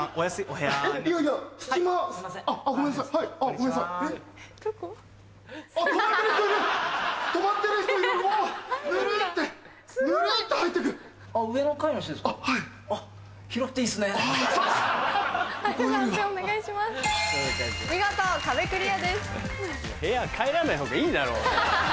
部屋帰らないほうがいいだろ。